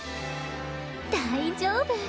大丈夫。